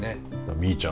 みーちゃん